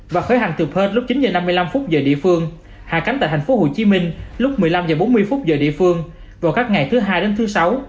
và sẽ tiếp tục bay hành từ perth lúc chín giờ năm mươi năm phút giờ địa phương hạ cánh tại thành phố hồ chí minh lúc một mươi năm giờ bốn mươi phút giờ địa phương vào các ngày thứ hai đến thứ sáu